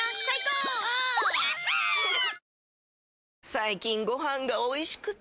最近ご飯がおいしくて！